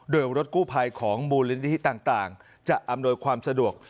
โดยรถกู้ภัยของมูลนิธิต่างจะอำนวยความสะดวก